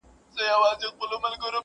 ساړه بادونه له بهاره سره لوبي کوي.!